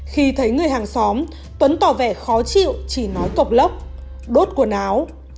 khi thấy người hàng xóm tuấn tỏ vẻ khó chịu chỉ nói cọc lốc đốt quần áo